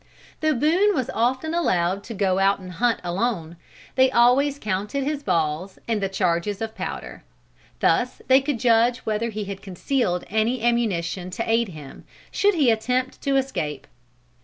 Though Boone was often allowed to go out alone to hunt, they always counted his balls and the charges of powder. Thus they could judge whether he had concealed any ammunition to aid him, should he attempt to escape.